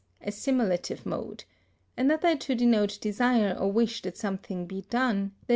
_, a simulative mode; another to denote desire or wish that something be done, _i.